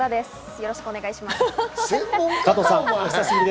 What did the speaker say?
よろしくお願いします。